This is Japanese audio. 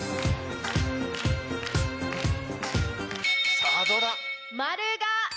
さぁどうだ？